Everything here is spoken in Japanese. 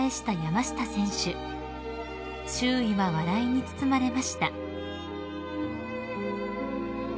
［周囲は笑いに包まれました］